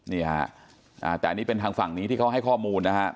นี่ฮะแต่อันนี้เป็นทางฝั่งนี้ที่เขาให้ข้อมูลนะครับ